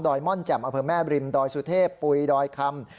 ม่อนแจ่มอำเภอแม่บริมดอยสุเทพปุ๋ยดอยคำ